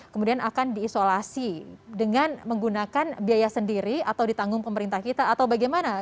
kemudian akan diisolasi dengan menggunakan biaya sendiri atau ditanggung pemerintah kita atau bagaimana